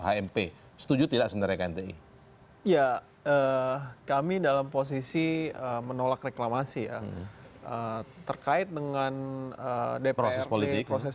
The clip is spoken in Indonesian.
hmp setuju tidak sebenarnya knti ya kami dalam posisi menolak reklamasi ya terkait dengan depresi proses